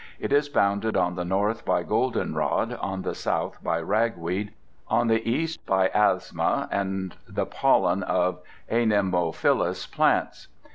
It is bounded on the north by goldenrod, on the south by ragweed, on the east by asthma and the pollen of anemophylous plants.